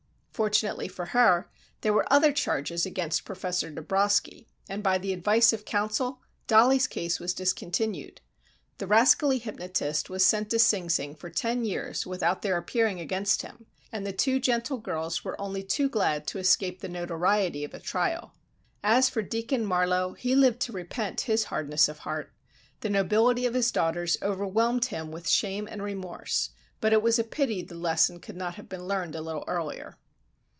Fortunately for her, there were other charges against Professor Dabroski, and by the advice of counsel, Dollie's case was discontinued. The rascally hypnotist was sent to Sing Sing for ten years without their appearing against him, and the two gentle girls were only too glad to escape the notoriety of a trial. As for Deacon Marlowe, he lived to repent his hardness of heart. The nobility of his daughters overwhelmed him with shame and remorse, but it was a pity the lesson could not have been learned a little earlier.